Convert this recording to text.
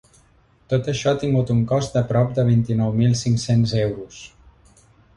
Tot això ha tingut un cost de prop de vint-i-nou mil cinc-cents euros.